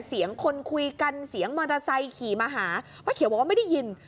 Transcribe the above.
เสียงคนคุยกันเสียงมอเตอร์ไซค์ขี่มาหาป้าเขียวบอกว่าไม่ได้ยิน